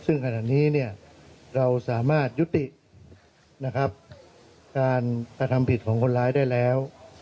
ซึ่งขณะนี้เราสามารถยุตินะครับการกระทำผิดของคนร้ายได้แล้ว